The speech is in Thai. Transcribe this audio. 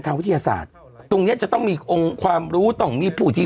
วิทยาศาสตร์ตรงเนี้ยจะต้องมีองค์ความรู้ต้องมีผู้ที่